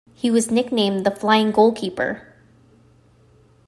He was nicknamed the "Flying goalkeeper".